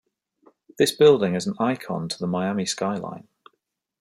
This building is an icon to the Miami skyline.